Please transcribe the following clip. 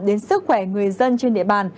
đến sức khỏe người dân trên địa bàn